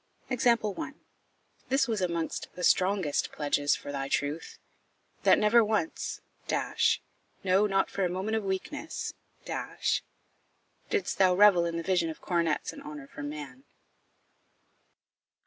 This was amongst the strongest pledges for thy truth, that never once no, not for a moment of weakness didst thou revel in the vision of coronets and honour from man.